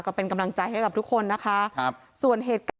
ก็เป็นกำลังใจให้กับทุกคนนะคะครับส่วนเหตุการณ์